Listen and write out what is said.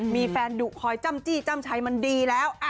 มีแฟนดุคอยจ้ำจี้จ้ำชัยมันดีแล้ว